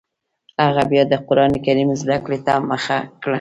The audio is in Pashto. هغه بیا د قران کریم زده کړې ته مخه کړه